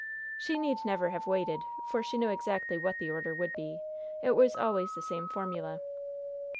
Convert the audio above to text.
She need never have waited, for she knew exactly what the order would be. It was always the same formula.